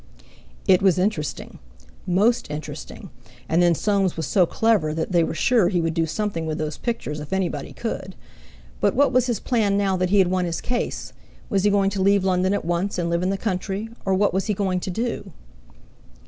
It was interesting—most interesting—and then Soames was so clever that they were sure he would do something with those pictures if anybody could; but what was his plan now that he had won his case; was he going to leave London at once, and live in the country, or what was he going to do?